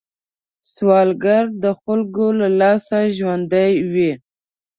سوالګر د خلکو له لاسه ژوندی وي